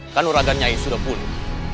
kanuragan nyai sudah bunuh